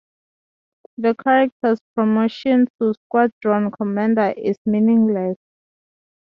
The character's promotion to squadron commander is meaningless.